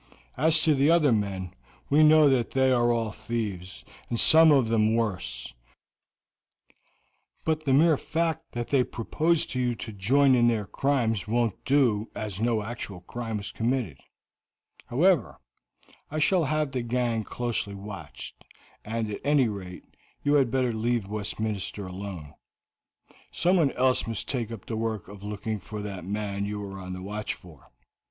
As to the other men, we know that they are all thieves, and some of them worse; but the mere fact that they proposed to you to join in their crimes won't do, as no actual crime was committed. However, I shall have the gang closely watched, and, at any rate, you had better leave Westminster alone; someone else must take up the work of looking for that man you were on the watch for.